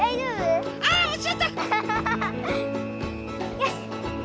よし！